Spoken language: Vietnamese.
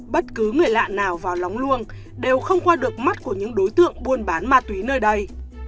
bất cứ người lạ nào vào lóng luông đều không qua được mắt của những đối tượng buôn bán ma túy nơi đây